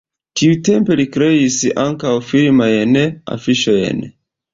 Tiutempe li kreis ankaŭ filmajn afiŝojn.